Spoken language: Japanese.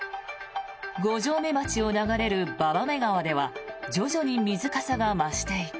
五城目町を流れる馬場目川では徐々に水かさが増していき